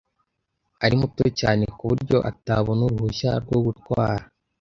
Ari muto cyane kuburyo atabona uruhushya rwo gutwara.